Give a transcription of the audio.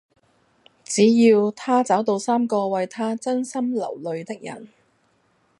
只要她找到三個為她真心流淚的人